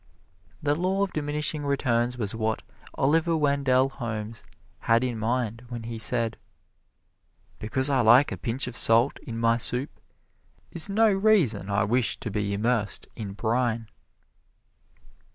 The Law of Diminishing Returns was what Oliver Wendell Holmes had in mind when he said, "Because I like a pinch of salt in my soup is no reason I wish to be immersed in brine."